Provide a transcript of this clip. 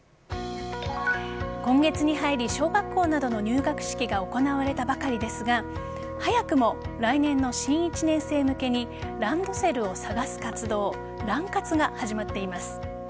今月に入り小学校などの入学式が行われたばかりですが早くも来年の新１年生向けにランドセルを探す活動ラン活が始まっています。